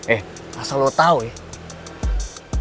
eh asal lo tau ya